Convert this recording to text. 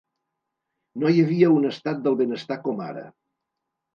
No hi havia un estat del benestar com ara.